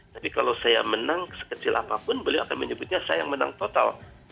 tapi kalau saya menang sekecil apapun beliau akan menyebutnya saya yang menang total